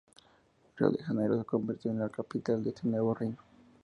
Río de Janeiro se convirtió en la capital de este nuevo reino.